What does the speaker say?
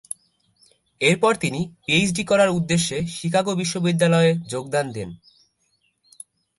এরপর তিনি পিএইচডি করার উদ্দেশ্যে শিকাগো বিশ্ববিদ্যালয়ে যোগদান দেন।